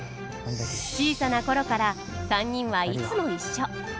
小さな頃から３人はいつも一緒。